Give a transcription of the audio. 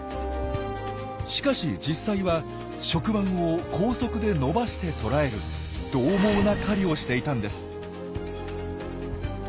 しかし実際は触腕を高速でのばして捕らえるどう猛な狩りをしていたんです。